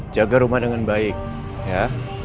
jaga rumah dengan baik ya